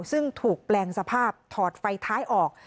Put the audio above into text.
ซึ่งถูกแปลงสภาพถอดไฟท้ายออก